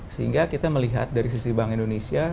sehingga kita melihat dari sisi bank indonesia